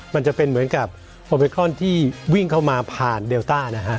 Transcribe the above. มันจะเป็นเหมือนกับโอเมครอนที่วิ่งเข้ามาผ่านเดลต้านะฮะ